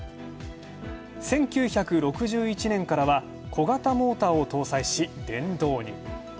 １９６１年からは、小型モーターを搭載し、電動に。